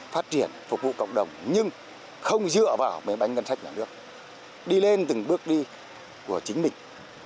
phát triển phục vụ cộng đồng nhưng không dựa vào mấy bánh ngân sách nhà nước đi lên từng bước đi của chính mình